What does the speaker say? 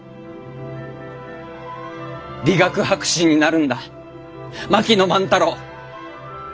理学博士になるんだ槙野万太郎！